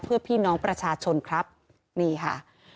เพื่อพี่น้องประชาชนครับนี่ค่ะ